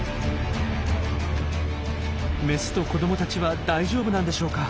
メスと子どもたちは大丈夫なんでしょうか？